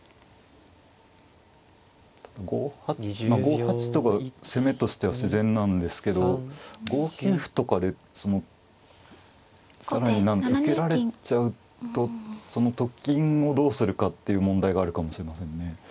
５八まあ５八とが攻めとしては自然なんですけど５九歩とかでその更に何か受けられちゃうとそのと金をどうするかっていう問題があるかもしれませんね。